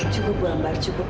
cukup bu ambar cukup